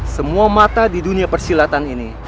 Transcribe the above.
semua mata di dunia persilatan ini